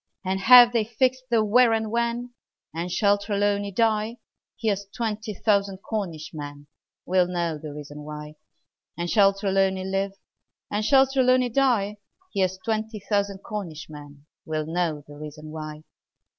And have they fixed the where and when? And shall Trelawny die? Here's twenty thousand Cornish men Will know the reason why! And shall Trelawny live? Or shall Trelawny die? Here's twenty thousand Cornish men Will know the reason why!